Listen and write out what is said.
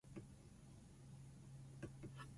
His arrival at Collingwood was fortuitous.